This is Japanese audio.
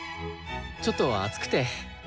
ちょっと暑くて。